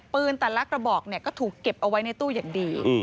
แต่ละกระบอกก็ถูกเก็บเอาไว้ในตู้อย่างดี